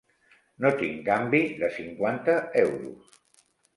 No tinc canvi de cinquanta euros.